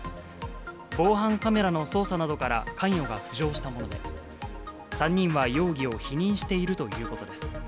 防犯カメラの捜査などから関与が浮上したもので、３人は容疑を否認しているということです。